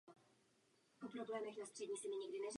Volí-li někdo zločince, pak s nimi musí logicky sdílet osud.